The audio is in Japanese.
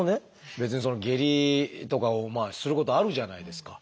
別にその下痢とかをすることあるじゃないですか。